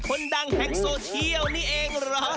คนดังแห่งโซเชียลนี่เองเหรอ